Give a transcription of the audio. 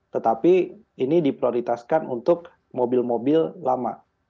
tetapi ini diprioritaskan untuk mobil mobil lama